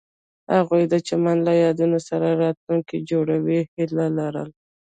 هغوی د چمن له یادونو سره راتلونکی جوړولو هیله لرله.